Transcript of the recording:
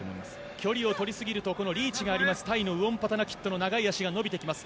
距離を取りすぎるとタイのウオンパタナキットの長い脚が伸びてきます。